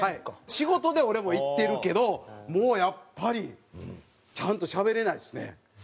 仕事で俺も行ってるけどもうやっぱりちゃんとしゃべれないですね。